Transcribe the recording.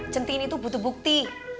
centini tuh butuh bukti